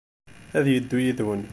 Ad yeddu yid-went.